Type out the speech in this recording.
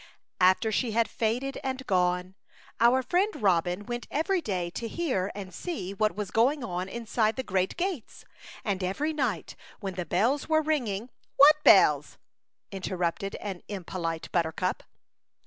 "After she had faded and gone, our friend Robin went every day to hear and see what was going on inside the great gates, and every night when the bells were ringing '*—'' What bells ?'* interrupted an im polite buttercup.